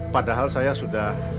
padahal saya sudah